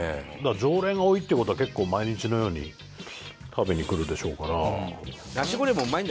常連が多いっていう事は結構毎日のように食べに来るでしょうから。